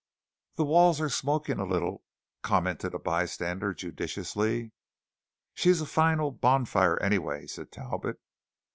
"The walls are smoking a little," commented a bystander judicially. "She's a fine old bonfire, anyway," said Talbot.